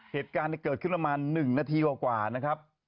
เหตุการณ์เกิดขึ้นประมาณ๑นาทีกว่านะครับ